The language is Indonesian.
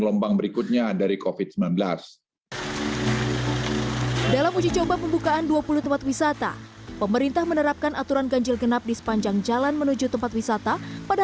yang berlebihan untuk terus menekan pandemi kembali penularan covid sembilan belas